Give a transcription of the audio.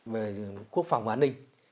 về quốc phòng và an ninh